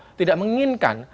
kita juga tidak menginginkan